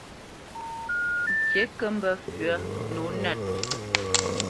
Ŋkǐ kǝ́ mbǝ́ fywǝ̂ nǒ nǝt.